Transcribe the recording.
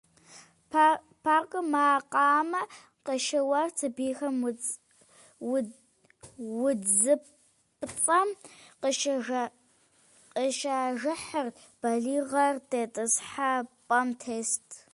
Паркым макъамэ къыщеуэрт, сабийхэм удзыпцӀэм къыщажыхьырт, балигъхэр тетӀысхьэпӀэхэм тест.